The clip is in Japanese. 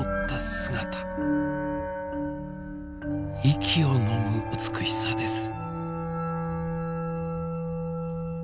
息をのむ美しさです。